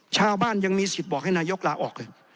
ยังมีสิทธิ์บอกให้นายกลาออกเลย